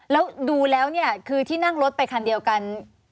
แล้วดูแล้วเนี่ยคือที่นั่งรถไปคันเดียวกัน